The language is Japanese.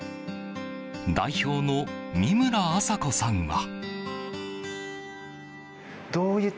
代表の三村麻子さんは。